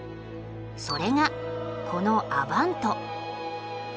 それがこのアヴァント。